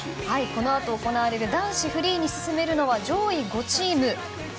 この後行われる男子フリーに進めるのは上位５チーム。